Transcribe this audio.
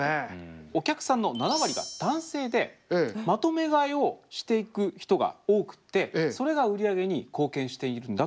お客さんの７割が男性でまとめ買いをしていく人が多くてそれが売り上げに貢献しているんだと。